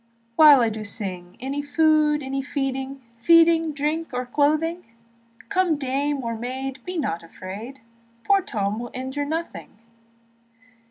Although I sing, Any food, any feeding, Feeding, drink, or clothing; Come dame or maid, be not afraid, Poor Tom will injure nothing.